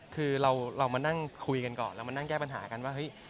คือเรามานั่งคุยกันก่อนเรามานั่งแก้ปัญหากันว่าเฮ้ย